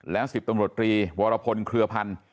แล้ว๑๐ตำรวจรีวรพลเครือพันธ์